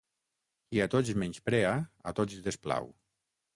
Qui a tots menysprea, a tots desplau.